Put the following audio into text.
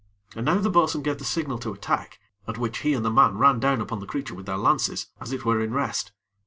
And now the bo'sun gave the signal to attack, at which he and the man ran down upon the creature with their lances, as it were in rest.